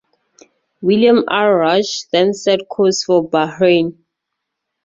"William R. Rush" then set course for Bahrain.